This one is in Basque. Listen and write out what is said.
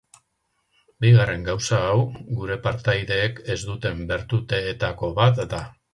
Bigarren gauza hau, gure partaideek ez duten bertuteetako bat da.